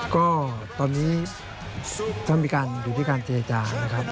ก็ตอนนี้มันหน้าจะอยู่ที่การช่วยอาจารย์นะครับ